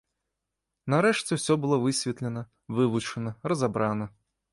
Нарэшце ўсё было высветлена, вывучана, разабрана.